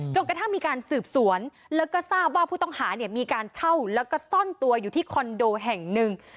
กระทั่งมีการสืบสวนแล้วก็ทราบว่าผู้ต้องหาเนี่ยมีการเช่าแล้วก็ซ่อนตัวอยู่ที่คอนโดแห่งหนึ่ง